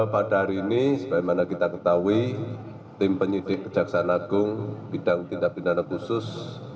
pada hari ini sebagaimana kita ketahui tim penyidik kejaksaan agung bidang tindak pidana khusus